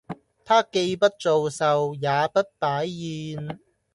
她既不做壽，也不擺宴